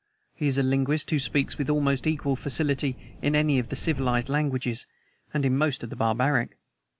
He is a linguist who speaks with almost equal facility in any of the civilized languages, and in most of the barbaric.